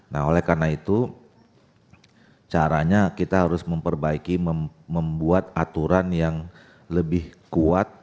nah oleh karena itu caranya kita harus memperbaiki membuat aturan yang lebih kuat